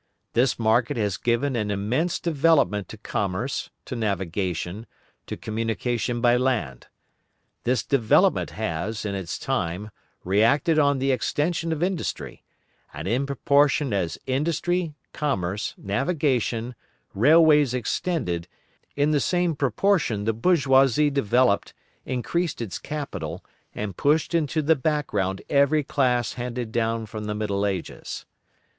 This market has given an immense development to commerce, to navigation, to communication by land. This development has, in its time, reacted on the extension of industry; and in proportion as industry, commerce, navigation, railways extended, in the same proportion the bourgeoisie developed, increased its capital, and pushed into the background every class handed down from the Middle Ages.